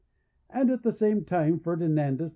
"And at the same time Ferdinandus II.